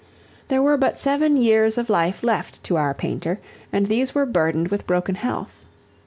There were but seven years of life left to our painter and these were burdened with broken health.